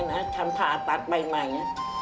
ฉันทาตาร์ตัดไปใหม่